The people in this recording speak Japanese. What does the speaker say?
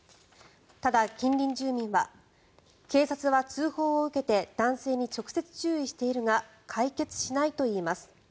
ただ、近隣住民は警察は通報を受けて男性に直接、注意しているが解決しないといいます。